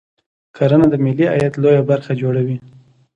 کرنه د ملي عاید لویه برخه جوړوي